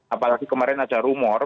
apalagi kemarin ada rumor